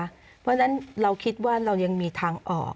เพราะฉะนั้นเราคิดว่าเรายังมีทางออก